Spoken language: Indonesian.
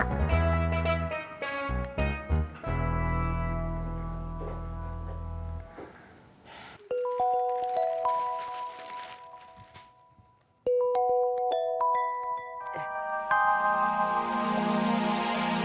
tapi kaget supaya ini dihenti sampe seninnya